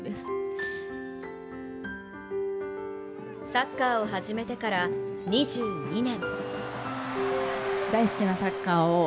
サッカーを始めてから２２年。